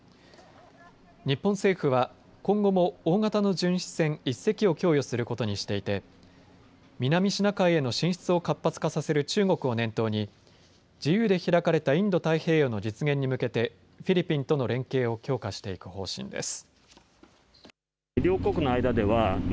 日本政府は今後も大型の巡視船１隻を供与することにしていて南シナ海への進出を活発化させる中国を念頭に自由で開かれたインド太平洋の実現に向けてフィリピンとの連携を強化していく方針です。